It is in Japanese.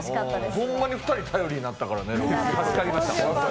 ホンマに２人、頼りになったからね、ロケのとき。